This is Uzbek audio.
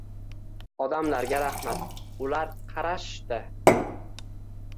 Odamlarga rahmat, ular qarashishdi.